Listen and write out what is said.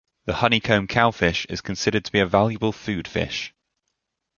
The honeycomb cowfish is considered to be a valuable food fish.